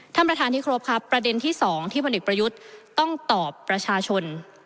ท่านประธานที่ครบครับประเด็นที่๒ที่พลเอกประยุทธ์ต้องตอบประชาชน